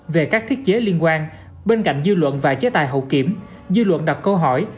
về các thiết chế liên quan bên cạnh dư luận và chế tài hậu kiểm dư luận đặt câu hỏi